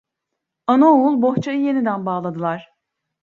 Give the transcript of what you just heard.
Anaoğul bohçayı yeniden bağladılar.